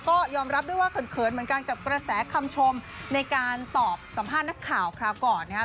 ก็ยอมรับด้วยว่าเขินเหมือนกันกับกระแสคำชมในการตอบสัมภาษณ์นักข่าวคราวก่อนนะฮะ